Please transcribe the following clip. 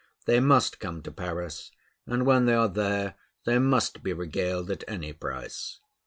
They must come to Paris, and when they are there, they must be regaled at any price.